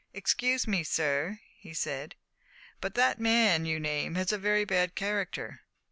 "Excuse me, sir," he said, "but the man you name has a very bad character."